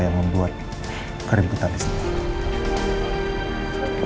yang membuat keributan di sini